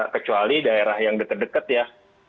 kecuali daerah yang deket deket ya